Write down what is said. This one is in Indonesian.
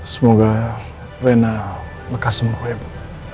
semoga rena bekas sembuhnya ibu